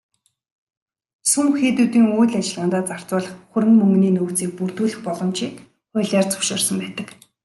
Сүм хийдүүдийн үйл ажиллагаандаа зарцуулах хөрөнгө мөнгөний нөөцийг бүрдүүлэх боломжийг хуулиар зөвшөөрсөн байдаг.